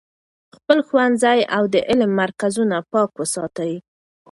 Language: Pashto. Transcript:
خپل ښوونځي او د علم مرکزونه پاک وساتئ.